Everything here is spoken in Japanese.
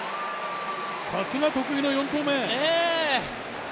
さすが得意の４投目。